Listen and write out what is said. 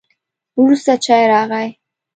وروسته چای راغی.